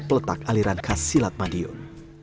peletak aliran khas silat madiun